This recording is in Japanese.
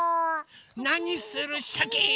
なにするシャキーン。